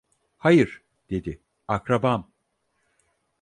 "Hayır" dedi, "akrabam!"